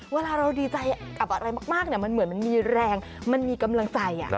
เวลาเราดีใจกับอะไรมากมันเหมือนมันมีแรงมันมีกำลังใจ